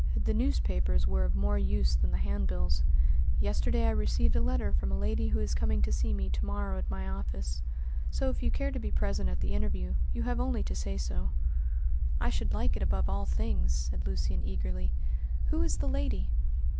"The newspapers were of more use than the handbills. Yesterday I received a letter from a lady who is coming to see me to morrow at my office. So if you care to be present at the interview you have only to say so." "I should like it above all things," said Lucian eagerly. "Who is the lady?"